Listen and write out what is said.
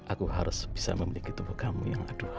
aku harus bisa memiliki tubuh kamu yang aduh